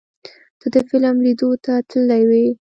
ته د فلم لیدو ته تللی وې؟